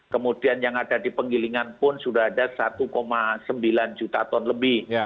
kemudian yang ada di penggilingan pun sudah ada satu sembilan juta ton lebih